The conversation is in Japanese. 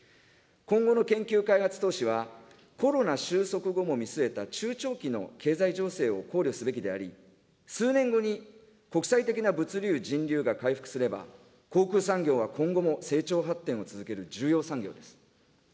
今後の研究開発投資は、コロナ収束後も見据えた中長期の経済情勢を考慮すべきであり、数年後に国際的な物流・人流が回復すれば、航空産業は今後も成長発展を続ける重要産業です。